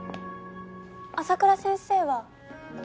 麻倉先生は？